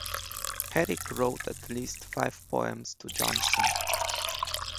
Herrick wrote at least five poems to Jonson.